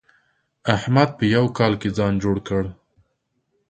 احمد په يوه کال کې ځان جوړ کړ.